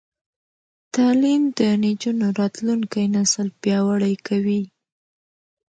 تعلیم د نجونو راتلونکی نسل پیاوړی کوي.